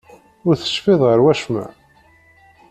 Ur tecfiḍ ɣef acemma?